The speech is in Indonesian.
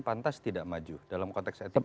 pantas tidak maju dalam konteks etik apa itu